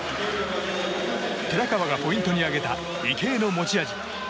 寺川がポイントに挙げた池江の持ち味。